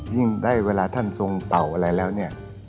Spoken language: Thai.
ยิ่งได้เวลาท่านทรงเป่าอะไรแล้วเนี่ย